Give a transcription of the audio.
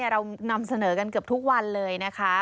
เรานำเสนอกันเกือบทุกวันเลยนะคะ